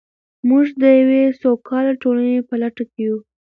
موږ د یوې سوکاله ټولنې په لټه کې یو.